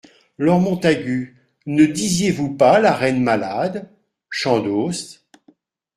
Lord Montagu Ne disiez-vous pas La Reine malade, Chandos ?